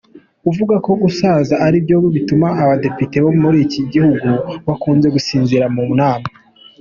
Avuga ko gusaza aribyo bituma Abadepite bo muri iki gihugu bakunze gusinzira mu nama.